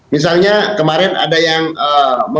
misalnya kemarin ada yang